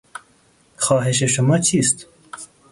خواهش شما چیست؟